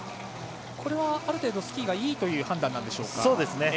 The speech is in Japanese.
これはある程度スキーがいいという判断でしょうか？